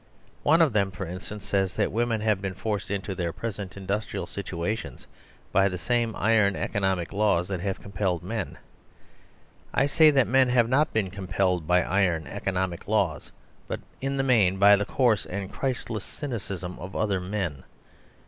One of them, for instance, says that women have been forced into their present industrial situations by the same iron economic laws that have compelled men. I say that men have not been compelled by iron economic laws, but in the main by the coarse and Christless cynicism of other men.